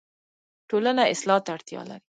ټولنه اصلاح ته اړتیا لري